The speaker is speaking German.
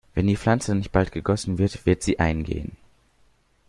Wenn die Pflanze nicht bald gegossen wird, wird sie eingehen.